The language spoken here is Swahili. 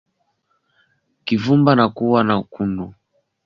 Kuvimba na kuwa na wekundu kwa ngozi iliyo katikati ya kwato